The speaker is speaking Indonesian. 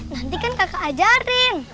nanti kan kakak ajarin